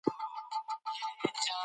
ساینس د انسانانو ژوند اسانه کړی دی.